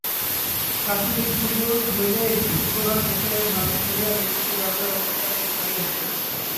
রাত্রি দুই প্রহর হইলে যজ্ঞনাথ নিতাইয়ের হাত ধরিয়া নিদ্রিত গ্রামের অন্ধকার পথে বাহির হইলেন।